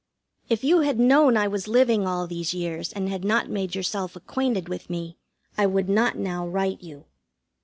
If you had known I was living all these years and had not made yourself acquainted with me, I would not now write you.